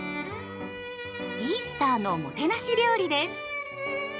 イースターのもてなし料理です。